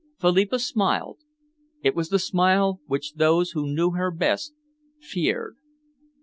Philippa smiled. It was the smile which those who knew her best, feared.